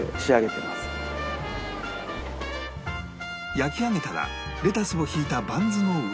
焼き上げたらレタスを引いたバンズの上に